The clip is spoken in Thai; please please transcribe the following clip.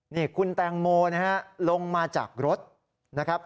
นี่คุณแตงโมนะฮะลงมาจากรถนะครับ